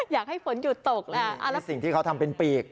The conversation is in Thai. อยากให้ฝนหยุดตกแล้วสิ่งที่เขาทำเป็นปีก